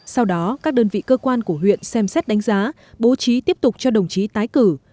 sau đó các đơn vị cơ quan của huyện xem xét đánh giá bố trí tiếp tục cho đồng chí tái cử